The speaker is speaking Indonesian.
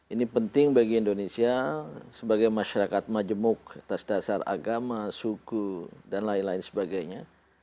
ini penting bagi indonesia sebagai masyarakat majemuk atas dasar agama suku dan lain lain sebagainya